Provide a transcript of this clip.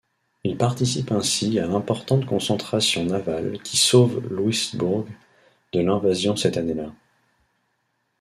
Il participe ainsi à l'importante concentration navale qui sauve Louisbourg de l'invasion cette année-là.